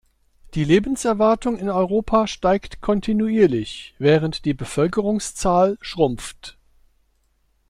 Die Lebenserwartung in Europa steigt kontinuierlich, während die Bevölkerungszahl schrumpft.